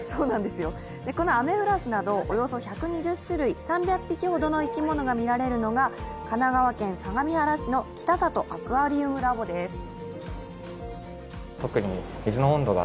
このアメフラシなどおよそ１２０種類、３００匹ほどの生き物が見られるのが神奈川県相模原市の北里アクアリウムラボです。